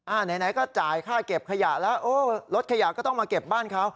ไหนก็จ่ายค่าเก็บขยะแล้วโอ้รถขยะก็ต้องมาเก็บบ้านเขา